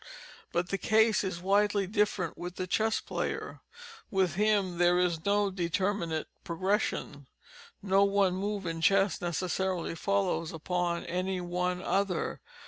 But the case is widely different with the Chess Player. With him there is no determinate progression. No one move in chess necessarily follows upon any one other.